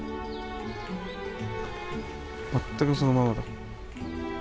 全くそのまんまだ。